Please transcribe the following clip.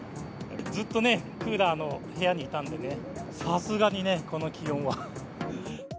ずっとね、クーラーの部屋にいたんでね、さすがにね、この気温は。